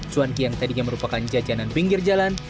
cuanki yang tadinya merupakan jajanan pinggir jalan